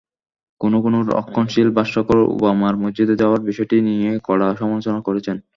কোনো কোনো রক্ষণশীল ভাষ্যকার ওবামার মসজিদে যাওয়ার বিষয়টি নিয়ে কড়া সমালোচনা করেছেন।